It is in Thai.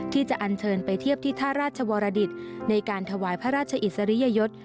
ที่จะอันเชิญไปเทียบที่ท่าราชวรดิตในการถวายพระราชอิสริยยศ